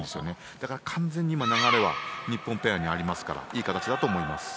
だから完全に流れは日本ペアにありますからいい形だと思います。